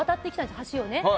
橋をね。